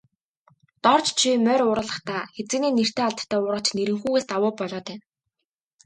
Дорж чи морь уургалахдаа, хэзээний нэртэй алдартай уургач Нэрэнхүүгээс давуу болоод байна.